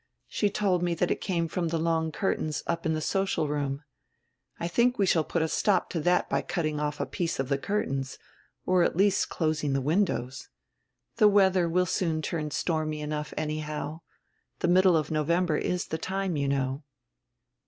She told nre drat it canre fronr dre long curtains up in dre social roonr. I drink we shall put a stop to drat by cutting off a piece of tire curtains or at least closing dre windows. The weadrer will soon turn stornry enough, any how. The nriddle of Novenrber is tire time, you know."